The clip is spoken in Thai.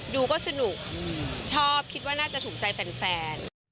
ดูก็สนุกชอบคิดว่าน่าจะถูกใจแฟน